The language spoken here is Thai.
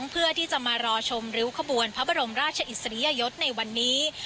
เพื่อที่จะมารอชมริ้วขบวนพระบรมราชอิสริยยศในวันนี้